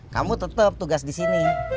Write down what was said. kamu tetap tugas disini